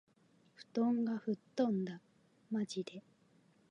布団が吹っ飛んだ。（まじで）